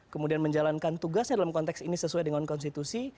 kemudian menjalankan tugasnya dalam konteks ini sesuai dengan konstitusi